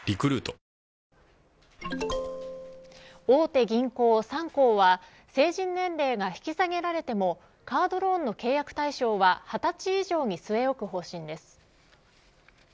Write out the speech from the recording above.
大手銀行３行は成人年齢が引き下げられてもカードローンの契約対象は２０歳以上に据え置く方針です。